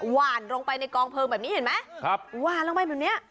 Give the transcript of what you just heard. หวานลงไปในกองเพลิงแบบนี้เห็นไหมครับหวานลงไปแบบเนี้ย